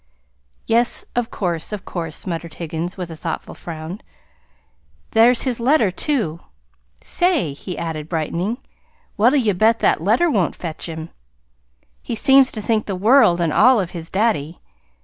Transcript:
"Yes, of course, of course," muttered Higgins, with a thoughtful frown. "There's his letter, too. Say!" he added, brightening, "what'll you bet that letter won't fetch him? He seems to think the world and all of his daddy.